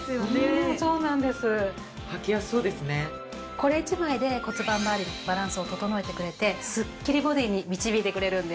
これ１枚で骨盤まわりのバランスを整えてくれてスッキリボディーに導いてくれるんです。